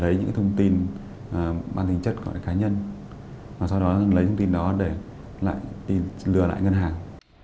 lấy những thông tin bản tính chất của các cá nhân và sau đó lấy những thông tin đó để lừa lại ngân hàng